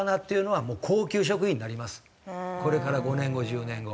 これから５年後１０年後。